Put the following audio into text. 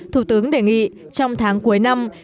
thủ tướng đề nghị trong tháng cuối năm